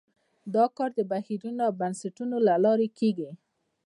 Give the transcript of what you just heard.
دا کار د بهیرونو او بنسټونو له لارې کیږي.